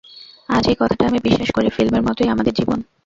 আজ এই কথাটা আমি বিশ্বাস করি, ফিল্মের মতই আমাদের জীবন।